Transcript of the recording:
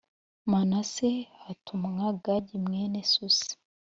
Manase hatumwa Gadi mwene Susi